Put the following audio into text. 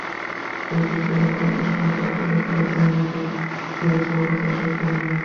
তবে Cristiano Ronaldo সময়টা এতটা খারাপ যায়নি যে, তীব্র সমালোচনা সইতে হবে।